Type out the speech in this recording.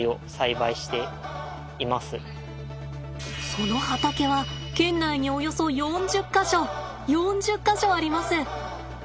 その畑は県内におよそ４０か所４０か所あります。